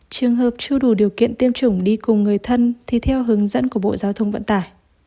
trường hợp chưa đủ điều kiện tiêm chủng đi cùng người thân thì theo hướng dẫn của bộ giao thông vận tải